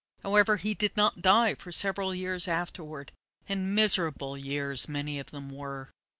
However, he did not die for several years afterward, and miserable years many of them were.